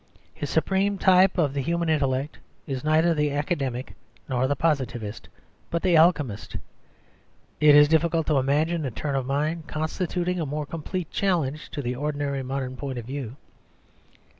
His supreme type of the human intellect is neither the academic nor the positivist, but the alchemist. It is difficult to imagine a turn of mind constituting a more complete challenge to the ordinary modern point of view.